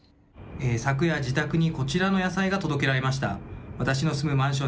昨夜、自宅にこちらの野菜が届けられました。